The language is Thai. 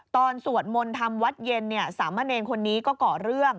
สวดมนต์ทำวัดเย็นสามเณรคนนี้ก็ก่อเรื่อง